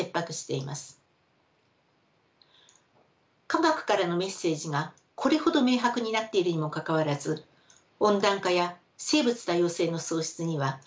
科学からのメッセージがこれほど明白になっているにもかかわらず温暖化や生物多様性の喪失には歯止めがかかりません。